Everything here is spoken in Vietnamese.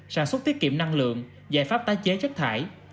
sản xuất tiết kiệm năng lượng giải pháp tái chế chất thải